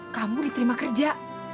kamu diterima kerja